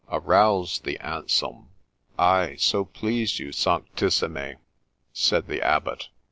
Arouse thee, Anselm !'' Ay, so please you, Sanctissime !' said the Abbot.